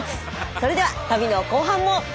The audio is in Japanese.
それでは旅の後半も！